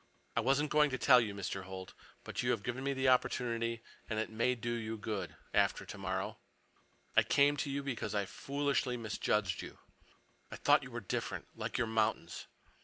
"I wasn't going to tell you, Mr. Holt. But you have given me the opportunity, and it may do you good—after tomorrow. I came to you because I foolishly misjudged you. I thought you were different, like your mountains.